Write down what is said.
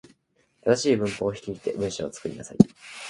正しい文法を用いて文章を作りなさい。